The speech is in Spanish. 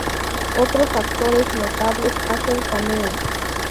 Otros actores notables hacen cameos.